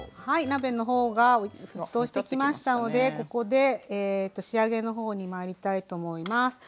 はい鍋の方が沸騰してきましたのでここで仕上げの方にまいりたいと思います。